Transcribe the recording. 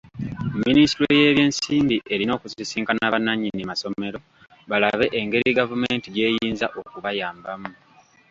Minisitule y'ebyensimbi erina okusisinkana bannannyini masomero balabe engeri gavumenti gy'eyinza okubayambamu.